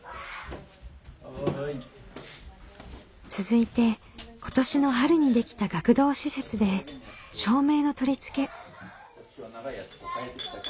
続いて今年の春にできた学童施設で照明の取り付け。